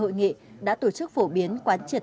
hội nghị đã tổ chức phổ biến quán triệt